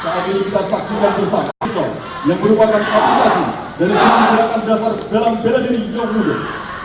kami juga saksikan bersama yang merupakan aplikasi dan penyelidikan dasar dalam beda diri yang mudah